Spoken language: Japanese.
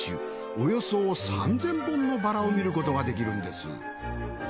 およそ３，０００本のバラを見ることができるんです。